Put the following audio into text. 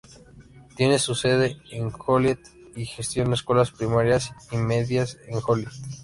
Tiene su sede en Joliet, y gestiona escuelas primarias y medias en Joliet.